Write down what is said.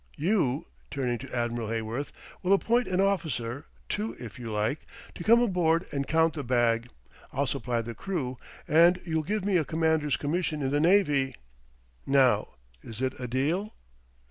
You," turning to Admiral Heyworth, "will appoint an officer, two if you like, to come aboard and count the bag. I'll supply the crew, and you'll give me a commander's commission in the Navy. Now, is it a deal?"